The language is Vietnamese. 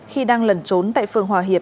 khi đang lẩn trốn tại phường hòa hiệp